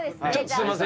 すいません